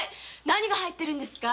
何が入ってるんですか？